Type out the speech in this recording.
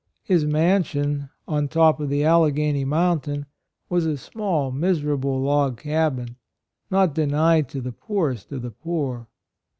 His mansion, on the top of the Alleghany mountain, was a small miserable log cabin, not de AND DIFFICULTIES. 81 nied to the poorest of the poor.